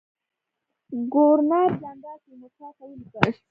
ګورنر جنرال تیمورشاه ته ولیکل.